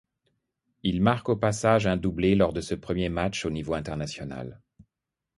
Il marque au passage un doublé lors de ce premier match au niveau international.